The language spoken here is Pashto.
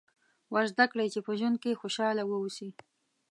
ور زده کړئ چې په ژوند کې خوشاله واوسي.